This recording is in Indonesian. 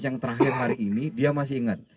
yang terakhir hari ini dia masih ingat